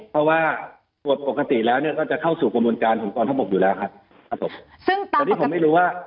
เพราะว่าปกติแล้วเนี่ยก็จะเข้าสู่กระบวนการของกรทบกดูแลค่ะส่วนที่ผมไม่รู้ว่า